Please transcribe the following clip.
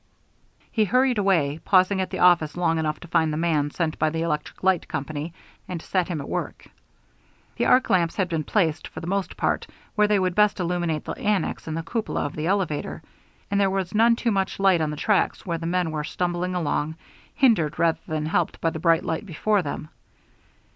He hurried away, pausing at the office long enough to find the man sent by the electric light company, and to set him at work. The arc lamps had been placed, for the most part, where they would best illuminate the annex and the cupola of the elevator, and there was none too much light on the tracks, where the men were stumbling along, hindered rather than helped by the bright light before them.